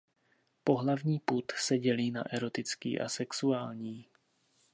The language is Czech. Pohlavní pud se dělí na erotický a sexuální.